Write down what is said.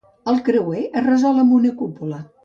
El creuer és resolt amb una cúpula.